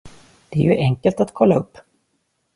Det är ju enkelt att kolla upp.